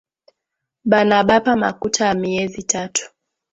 Bana bapa makuta ya myezi tatu